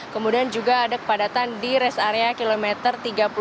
kemudian juga ada kepadatan di rest area kilometer tiga puluh tujuh